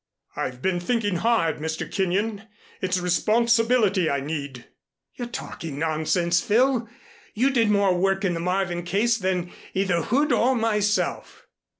I've been thinking hard, Mr. Kenyon. It's responsibility I need " "You're talking nonsense, Phil. You did more work in the Marvin case than either Hood or myself."